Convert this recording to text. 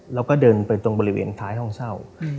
แล้วก็เดินไปตรงบริเวณท้ายห้องเช่า